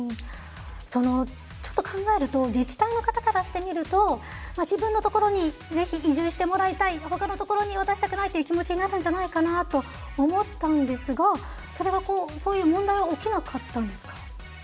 ちょっと考えると自治体の方からしてみると自分のところにぜひ、移住してもらいたい他のところに渡したくないという気持ちになるかと思ったんですが、それは起きなかったんですか。